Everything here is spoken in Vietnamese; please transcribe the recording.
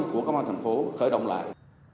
của công an tp hcm khởi động lại